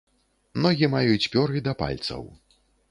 Ногі маюць пёры да пальцаў.